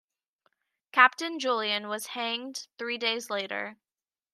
Captain Julian was hanged three days later.